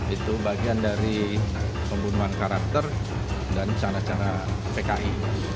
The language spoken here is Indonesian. itu bagian dari pembunuhan karakter dan cara cara pki